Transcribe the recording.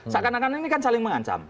seakan akan ini kan saling mengancam